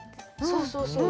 そうそうそう。